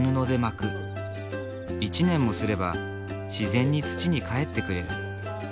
１年もすれば自然に土に返ってくれる。